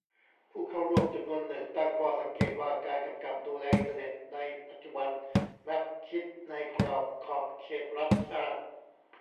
ผู้เข้าร่วมจำนวนหนึ่งตั้งข้อสังเกตว่า การกำกับดูแลอินเทอร์เน็ตในปัจจุบันมักคิดในกรอบขอบเขตรัฐชาติ